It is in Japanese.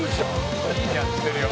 「いいじゃん」っつってるよ。